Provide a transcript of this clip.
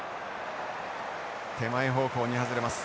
手前方向に外れます。